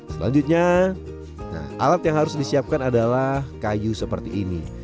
selanjutnya alat yang harus disiapkan adalah kayu seperti ini